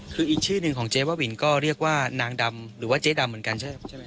คืออีกชื่อหนึ่งของเจ๊บ้าบินก็เรียกว่านางดำหรือว่าเจ๊ดำเหมือนกันใช่ไหม